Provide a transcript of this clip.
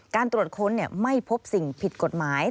การตรวจค้นไม่พบสิ่งผิดกฎหมาย